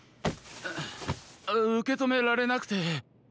うけとめられなくて。